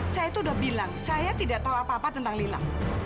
saya itu udah bilang saya tidak tahu apa apa tentang lila